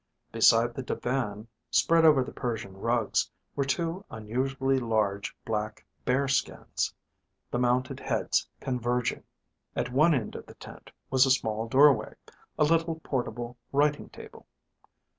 Beside the divan, spread over the Persian rugs, were two unusually large black bearskins, the mounted heads converging. At one end of the tent was a small doorway, a little portable writing table.